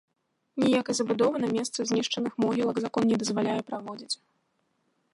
Ніякай забудовы на месцы знішчаных могілак закон не дазваляе праводзіць.